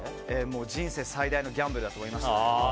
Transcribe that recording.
人生最大のギャンブルだと思いました。